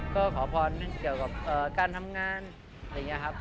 ก็ขอพรเกี่ยวกับการทำงานหรืออย่างนี้ครับ